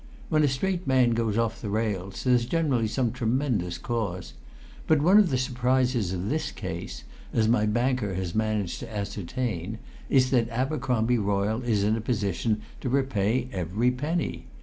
When a straight man goes off the rails, there's generally some tremendous cause; but one of the surprises of this case, as my banker has managed to ascertain, is that Abercromby Royle is in a position to repay every penny.